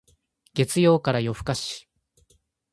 月曜から夜更かし